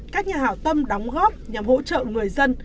các nhà hảo tâm đóng góp nhằm hỗ trợ người dân